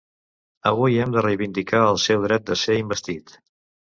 Avui hem de reivindicar el seu dret de ser investit.